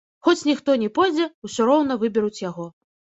Хоць ніхто не пойдзе, усё роўна выберуць яго.